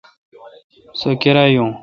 سو کیرا یون۔